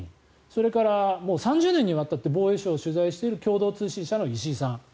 それから、もう３０年にわたって防衛省を取材している共同通信社の石井さん。